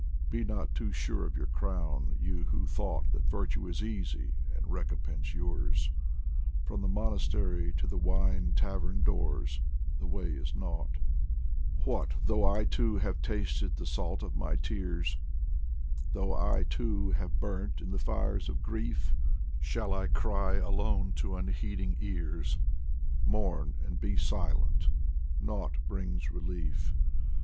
Be not too sure of your crown, you who thought That virtue was easy and recompense yours ; From the monastery to the wine tavern doors The way is nought ! What though I, too, have tasted the salt of my tears, Though I, too, have burnt in the fires of grief, Shall I cry aloud to unheeding ears ? Mourn and be silent ! nought brings relief.